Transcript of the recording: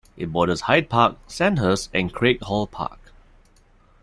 It borders Hyde Park, Sandhurst, and Craighall Park.